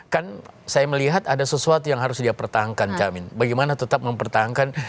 kan saya melihat ada sesuatu yang harus dia pertahankan camin bagaimana tetap mempertahankan